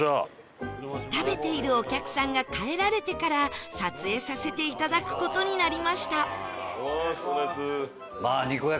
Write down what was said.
食べているお客さんが帰られてから撮影させていただく事になりました